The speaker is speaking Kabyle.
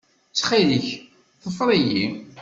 Ttxil-k, ḍfer-iyi.